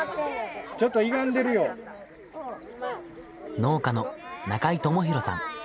農家の中井知広さん。